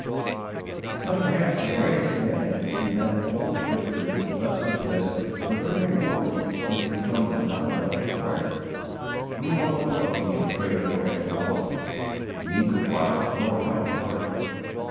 But perhaps the greatest advantage will be that the Holy Scriptures will thus suggest the very words which become the dialect of prayer. "We know not what we should pray for as we ought" neither what nor how to pray.